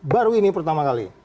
baru ini pertama kali